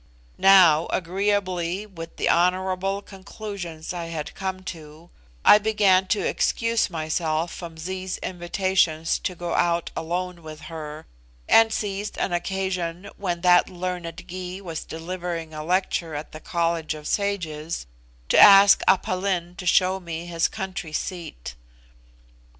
Now, agreeably with the honourable conclusions I had come to, I began to excuse myself from Zee's invitations to go out alone with her, and seized an occasion when that learned Gy was delivering a lecture at the College of Sages to ask Aph Lin to show me his country seat.